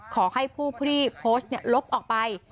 ขอให้ผู้พรีโพสต์เนี่ยลบออกไป